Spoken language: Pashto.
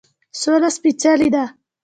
سوله سپیڅلې ده